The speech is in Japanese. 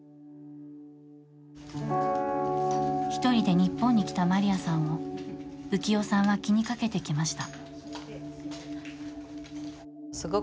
一人で日本に来たマリアさんを浮世さんは気にかけてきました。